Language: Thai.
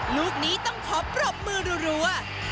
ลูกนี้ต้องขอปรบมือรัว